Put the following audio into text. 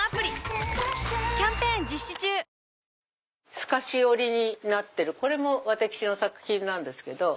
透かし織りになってるこれも私の作品なんですけど。